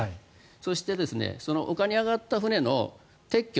そして、陸に上がった船の撤去